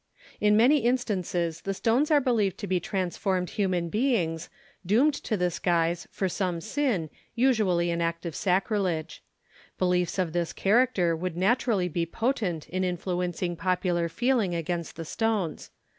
In many instances the stones are believed to be transformed human beings, doomed to this guise for some sin, usually an act of sacrilege. Beliefs of this character would naturally be potent in influencing popular feeling against the stones.